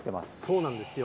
そうなんですよ。